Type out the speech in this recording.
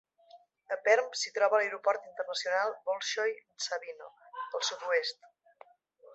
A Perm s'hi troba l'aeroport internacional Bolshoye Savino, al sud-oest.